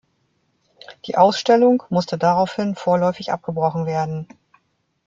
Die Ausstellung musste daraufhin vorläufig abgebrochen werden.